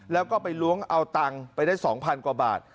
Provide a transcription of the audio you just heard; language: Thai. แล้วก็ไปล้วงเอาตังค์ไปได้๒๐๐กว่าบาท